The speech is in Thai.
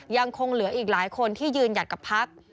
ยังคงเหลืออีกหลายคนที่ยืนหยัดกับพัก